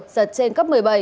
giật trên cấp một mươi bảy